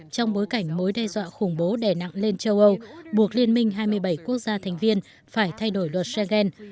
trong bối cảnh mối đe dọa khủng bố đẻ nặng lên châu âu buộc liên minh hai mươi bảy quốc gia thành viên phải thay đổi luật schengen